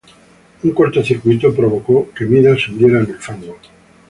Un cortocircuito provocó que Midas se hundiera en el fango.